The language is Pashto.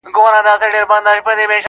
زه اومېدواریم په تیارو کي چي ډېوې لټوم-